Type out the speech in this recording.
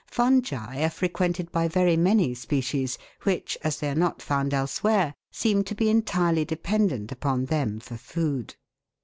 Fungi are fre quented by very many species, which, as they are not found elsewhere, seem to be entirely dependent upon them for food.